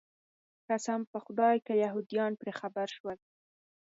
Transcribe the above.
قسم په خدای که یهودان پرې خبر شول.